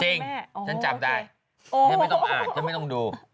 จริงฉันจับได้ไม่ต้องอาจไม่ต้องดู